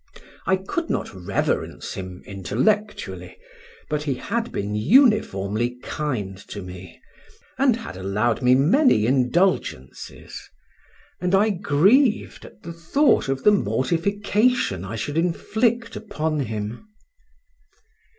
I could not reverence him intellectually, but he had been uniformly kind to me, and had allowed me many indulgences; and I grieved at the thought of the mortification I should inflict upon him.